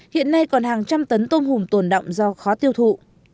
hiện nay còn hàng trăm tấn tôm hùm tồn động do khó tiêu thụ